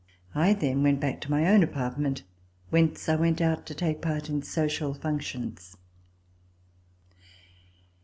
I then went back to my own apartment, whence I went out to take part in social functions.